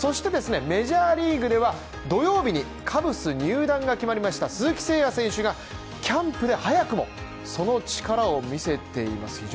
メジャーリーグでは土曜日にカブス入団が決まりました鈴木誠也選手がキャンプで早くもその力を見せています。